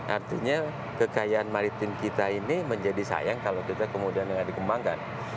artinya kekayaan maritim kita ini menjadi sayang kalau kita kemudian tidak dikembangkan